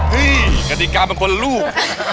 เฮ้ยคติกรรมเป็นคนลูก